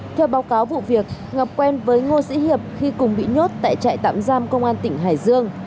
theo báo cáo vụ việc ngọc quen với ngô sĩ hiệp khi cùng bị nhốt tại trại tạm giam công an tỉnh hải dương